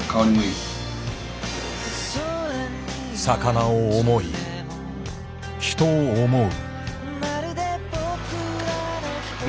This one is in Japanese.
魚を思い人を思う。